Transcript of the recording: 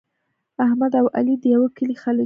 احمد او علي د یوه کلي خلک دي.